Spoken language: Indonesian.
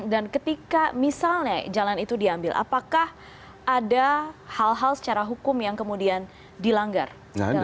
dan ketika misalnya jalan itu diambil apakah ada hal hal secara hukum yang kemudian dilanggar dalam kasus ini